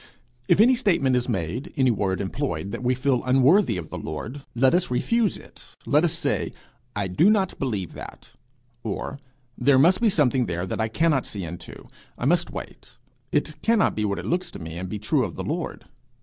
If any statement is made, any word employed, that we feel unworthy of the Lord, let us refuse it; let us say, 'I do not believe that;' or, 'There must be something there that I cannot see into: I must wait; it cannot be what it looks to me, and be true of the Lord!'